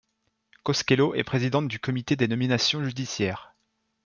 Koskelo est présidente du Comité des nominations judiciaires.